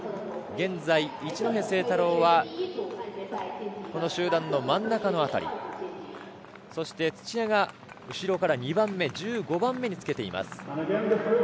現在、一戸誠太郎は集団の真ん中のあたり、土屋が後ろから２番目、１５番目につけています。